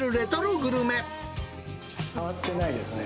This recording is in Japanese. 変わってないですね。